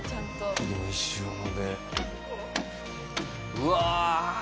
うわ！